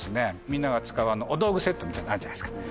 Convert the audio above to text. みんなが使うあのお道具セットみたいなのあるじゃないですか。